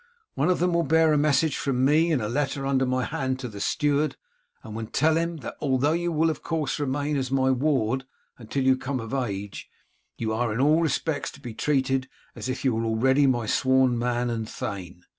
One of them will bear a message from me and a letter under my hand to the steward, and will tell him that although you will, of course, remain as my ward until you come of age, you are in all respects to be treated as if you were already my sworn man, and thane.